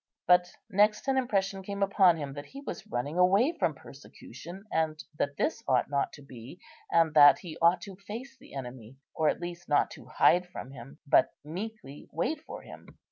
But next an impression came upon him that he was running away from persecution, and that this ought not to be, and that he ought to face the enemy, or at least not to hide from him, but meekly wait for him.